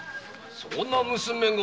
そこの娘御！